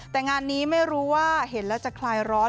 แต่งานนี้ไม่รู้ว่าเห็นแล้วจะคลายร้อน